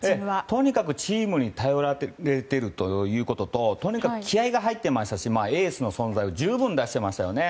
とにかくチームに頼られているということととにかく気合が入っていましたしエースの存在を十分出していましたよね。